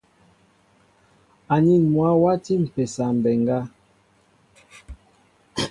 Anin mwă wati mpésa mbéŋga.